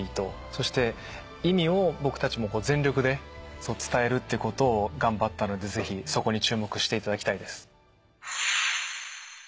そして意味を僕たちも全力で伝えるってことを頑張ったのでぜひそこに注目していただきたいです。